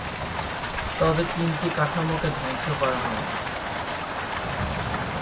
তবে, তিনটি কাঠামোকে ধ্বংস করা হয়নি।